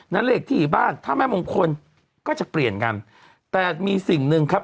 เลขที่บ้านถ้าแม่มงคลก็จะเปลี่ยนกันแต่มีสิ่งหนึ่งครับ